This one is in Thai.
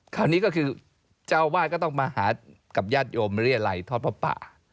คราวนี้ก็คือเจ้าวาดก็ต้องมาหากับญาติโยมเรียลัยทอดพระป่า